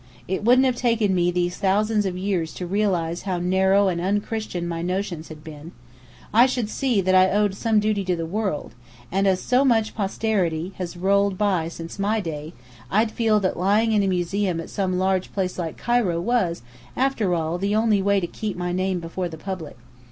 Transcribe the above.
It wouldn't have taken me these thousands of years to realize how narrow and un christian my notions had been. I should see that I owed some duty to the world; and as so much posterity had rolled by since my day, I'd feel that lying in a museum at some large place like Cairo, was, after all, the only way to keep my name before the public.